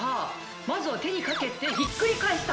まずは手にかけて、ひっくり返した。